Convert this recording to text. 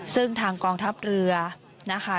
ซึ่งทางกองทัพเรือนะคะ